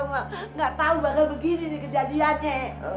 gak tau bakal begini nih kejadiannya